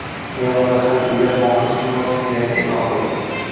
Myanmada harbiylar muvaqqat hukumat tuzilganini e’lon qildi